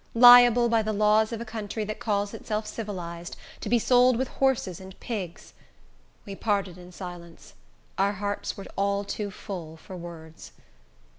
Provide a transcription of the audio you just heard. Liable, by the laws of a country that calls itself civilized, to be sold with horses and pigs! We parted in silence. Our hearts were all too full for words!